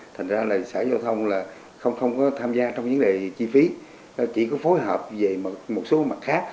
thành ra là sở giao thông là không có tham gia trong vấn đề chi phí chỉ có phối hợp về một số mặt khác